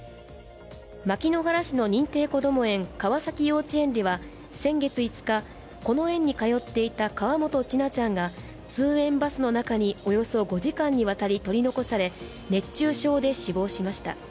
牧之原市の認定こども園、川崎幼稚園では先月５日、この園通っていた河本千奈ちゃんが通園バスの中におよそ５時間にわたり取り残され、熱中症で死亡しました。